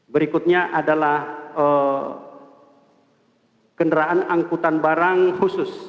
berikutnya adalah kendaraan angkutan barang khusus